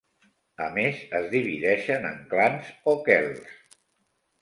A més, es divideixen en clans o khels.